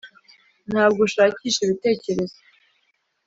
ntabwo ushakisha ibitekerezo.